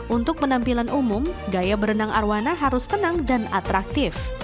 untuk penampilan umum gaya berenang arwana harus tenang dan atraktif